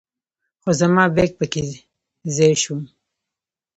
خو زما بیک په کې ځای شو.